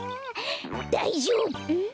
だいじょうぶ！